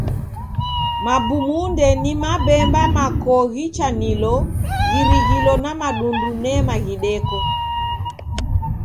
Mabumunde ni mabemba makoo ghichanilo ghirighilo na madundu nema ghideko.